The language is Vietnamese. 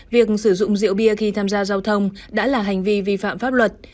việc sử dụng rượu bia khi tham gia giao thông đã là hành vi vi phạm pháp luật